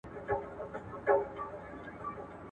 د وینو په دریاب کي یو د بل وینو ته تږي